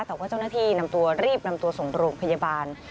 แต่ว่าเจ้าหน้าที่นำตัวรีบนำตัวส่งโรงพยาบาล